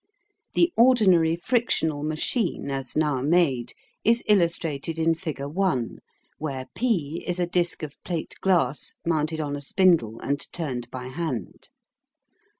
The ordinary frictional machine as now made is illustrated in figure i, where P is a disc of plate glass mounted on a spindle and turned by hand.